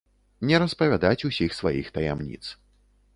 Не распавядаць усіх сваіх таямніц.